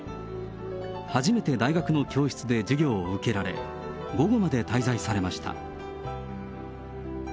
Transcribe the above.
初めて大学の教室で授業を受けられ、午後まで滞在されました。